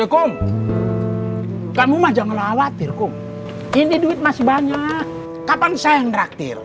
ya kum kamu mah jangan lawat tir kum ini duit masih banyak kapan saya yang ngerak tir